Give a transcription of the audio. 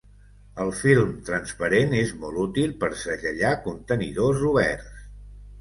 El film transparent és molt útil per segellar contenidors oberts.